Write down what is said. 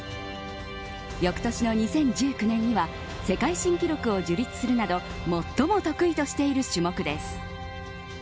翌年の２０１９年には世界新記録を樹立するなど最も得意としている種目です。